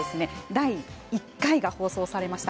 第１回が放送されました。